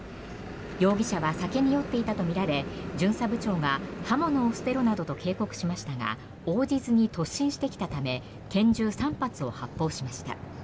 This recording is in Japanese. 容疑者は酒に酔っていたとみられ巡査部長が刃物を捨てろなどと警告しましたが応じずに突進してきたため拳銃３発を発砲しました。